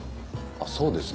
あっそうですね。